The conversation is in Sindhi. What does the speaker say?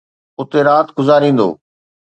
اتي رات گذاريندو